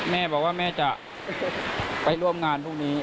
แม่บอกว่าแม่จะไปร่วมงานพรุ่งนี้